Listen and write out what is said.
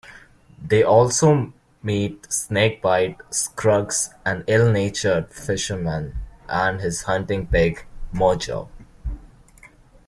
They also meet Snakebite Scruggs, an ill-natured fisherman, and his hunting pig, Mojo.